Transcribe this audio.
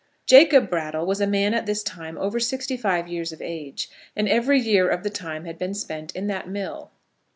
Jacob Brattle was a man at this time over sixty five years of age, and every year of the time had been spent in that mill.